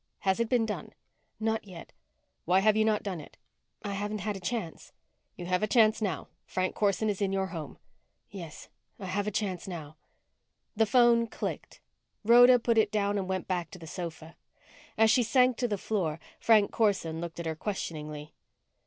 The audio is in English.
"Has it been done?" "Not yet." "Why have you not done it?" "I haven't had a chance." "You have a chance now. Frank Corson is in your home." "Yes. I have a chance now." The phone clicked. Rhoda put it down and went back to the sofa. As she sank to the floor, Frank Corson looked at her questioningly.